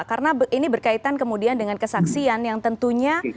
karena ini berkaitan kemudian dengan kesaksian yang tentunya